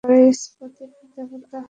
তিনি ছিলেন কারিগর ও স্থপতিদের দেবতা।